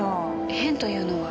変というのは？